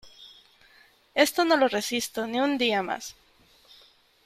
Esto no lo resisto ni un día más.